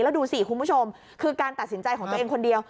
แล้วดูสิคุณผู้ชมคือการตัดสินใจของตัวเองคนเดียว